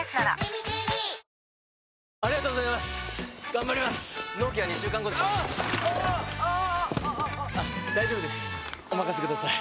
ニャー大丈夫ですおまかせください！